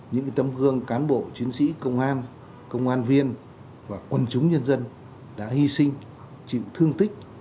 tất cả các phương cán bộ chiến sĩ công an công an viên và quân chúng nhân dân đã hy sinh chịu thương tích